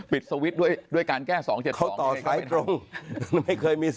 ปิดสวิตช์ด้วยการแก้๒๗๒